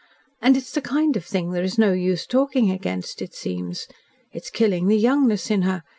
And it's the kind of thing there is no use talking against, it seems. It's killing the youngness in her.